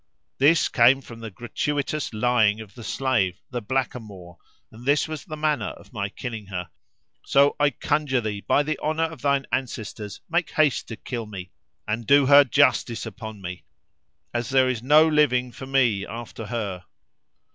This came from the gratuitous lying of the slave, the blackamoor, and this was the manner of my killing her; so I conjure thee, by the honour of thine ancestors, make haste to kill me and do her justice upon me, as there is no living for me after her!"